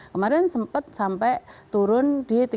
kemarin sempat sampai turun di tiga belas an